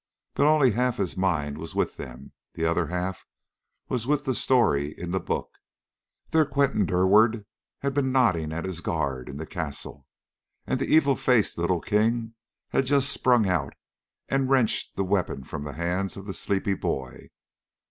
But only half his mind was with them. The other half was with the story in the book. There Quentin Durward had been nodding at his guard in the castle, and the evil faced little king had just sprung out and wrenched the weapon from the hands of the sleepy boy.